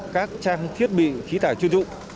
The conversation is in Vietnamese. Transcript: các trang thiết bị khí tải chuyên trụ